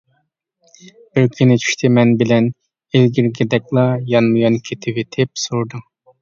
بىر كۈنى چۈشتە مەن بىلەن ئىلگىرىكىدەكلا يانمۇيان كېتىۋېتىپ سورىدىڭ.